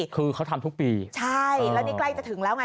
คือเขาทำทุกปีใช่แล้วนี่ใกล้จะถึงแล้วไง